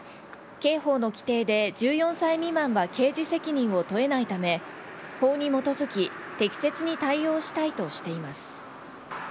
刑法の規定で１４歳未満は刑事責任を問えないため、法に基づき、適切に対応したいとしています。